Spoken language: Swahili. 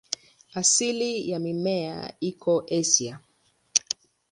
Asili ya mimea iko Asia.